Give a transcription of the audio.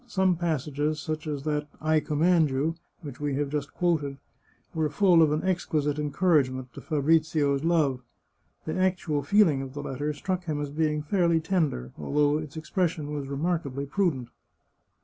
Some passages, such as that " I command you," which we have just quoted, were full of an exquisite encouragement to Fabrizio's love. The actual feeling of the letter struck him as being fairly tender, although its expression was remarkably prudent.